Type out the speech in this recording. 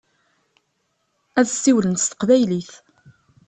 Ad siwlent s teqbaylit.